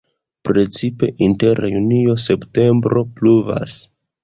Precipe inter junio-septembro pluvas.